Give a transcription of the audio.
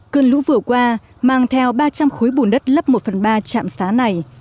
cơn lũ vừa qua mang theo ba trăm linh khối bùn đất lấp một phần ba trạm xá này